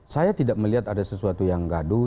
saya tidak melihat ada sesuatu yang gaduh